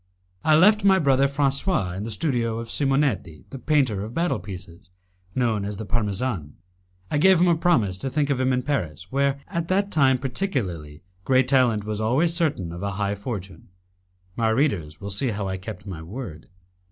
I left my brother Francois in the studio of Simonetti, the painter of battle pieces, known as the Parmesan. I gave him a promise to think of him in Paris, where, at that time particularly, great talent was always certain of a high fortune. My readers will see how I kept my word.